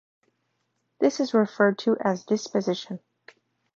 This is referred to as disposition.